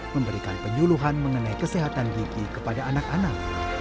memberikan penyuluhan mengenai kesehatan gigi kepada anak anak